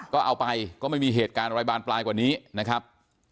ก็เอาไปก็ไม่มีเหตุการณ์อะไรบานปลายกว่านี้นะครับ